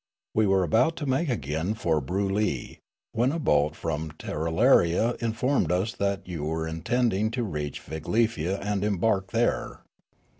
We were about to make again for Broolyi, when a boat from Tirralaria informed us that 5'ou were intend ing to reach Figlefia and embark there.